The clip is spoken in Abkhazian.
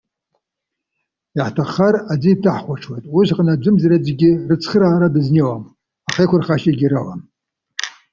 Иаҳҭаххар, аӡы иҭаҳхәаҽуеит. Усҟан аӡәымзараӡәгьы рыцхыраара дызнеиуам, ахеиқәырхашьагьы роуам.